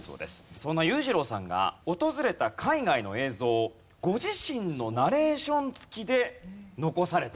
そんな裕次郎さんが訪れた海外の映像をご自身のナレーション付きで残されている。